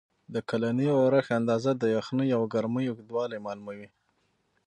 د کلني اورښت اندازه، د یخنۍ او ګرمۍ اوږدوالی معلوموي.